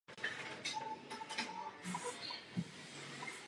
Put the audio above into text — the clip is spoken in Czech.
Literatura je na internetu na několika zdrojích.